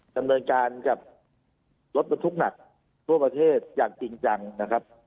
ดำเนินการกับรถบรรทุกหนักทั่วประเทศอย่างจริงจังนะครับ